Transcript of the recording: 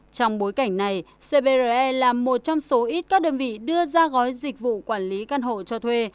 trong bối cảnh này cbre là một trong số ít các đơn vị đưa ra gói dịch vụ quản lý căn hộ cho thuê